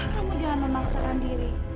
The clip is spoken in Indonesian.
kamu jangan memaksakan diri